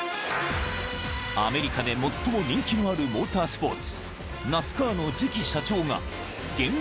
［アメリカで最も人気のあるモータースポーツ］